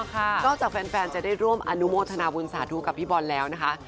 นอกจากแฟนจะได้ร่วมอนุโมทนาบุญสาธุกับพี่บอลแล้วนะคะ